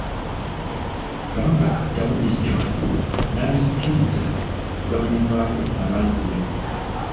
Kabaka Daudi Chwa n'azikkiriza okugabanibwako abantu be.